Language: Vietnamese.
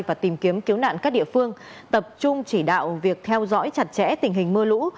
và tìm kiếm cứu nạn các địa phương tập trung chỉ đạo việc theo dõi chặt chẽ tình hình mưa lũ